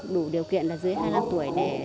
đủ điều kiện là dưới hai mươi năm tuổi này